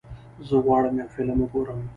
زه غواړم یو فلم وګورم.